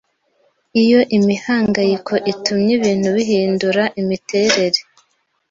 Iyo imihangayiko itumye ibintu bihindura imiterere